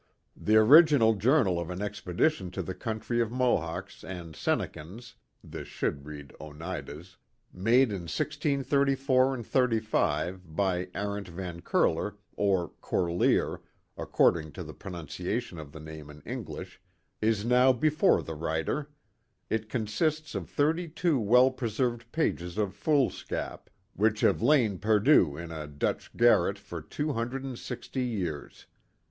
The original journal of an expedition to the country of Mohawks and Sennekens [this should read Oneidas], made in 1634 35,57 Arent Van Curler — or Corlear, according to the pronunciation of the name in English — is now before the writer. It consists of thirty two well preserved pages of foolscap, which have lain perdu in a Dutch garret for two hundred and sixty years.